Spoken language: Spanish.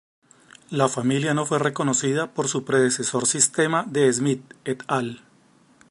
La familia no fue reconocida por su predecesor sistema de Smith "et al.